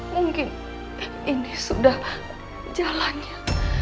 mungkin ini sudah jalannya